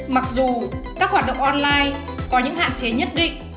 mặc dù các hoạt động online có những hạn chế nhất định